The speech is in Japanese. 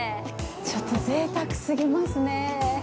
ちょっとぜいたくすぎますね。